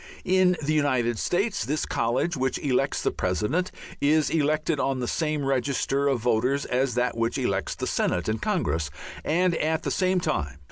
In the United States this college which elects the President is elected on the same register of voters as that which elects the Senate and Congress, and at the same time.